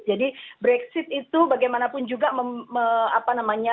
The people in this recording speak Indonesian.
jadi brexit itu bagaimanapun juga apa namanya